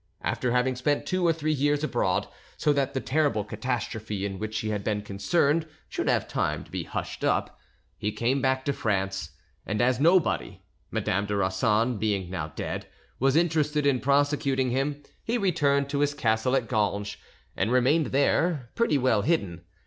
After having spent two or three years abroad, so that the terrible catastrophe in which he had been concerned should have time to be hushed up, he came back to France, and as nobody—Madame de Rossan being now dead—was interested in prosecuting him, he returned to his castle at Ganges, and remained there, pretty well hidden.